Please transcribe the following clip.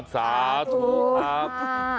สาธุอัพ